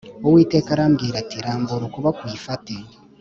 Uwiteka aramubwira ati rambura ukuboko uyifate